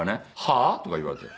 「はあ？」とか言われて。